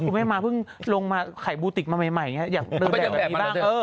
คุณแม่ม้าเพิ่งลงมาขายบูติกมาใหม่อยากเดินแบบนี้บ้าง